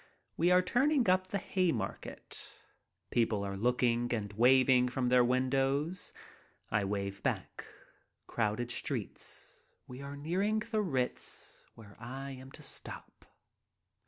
We are turning up the Haymarket. People are looking and waving from their windows. I wave back. Crowded streets. We are nearing the Ritz, where I am to stop.